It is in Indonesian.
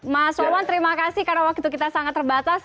mas wawan terima kasih karena waktu kita sangat terbatas